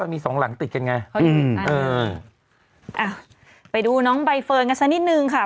มีสองหลังติดกันไงเอออ่ะไปดูน้องใบเฟิร์นกันสักนิดนึงค่ะ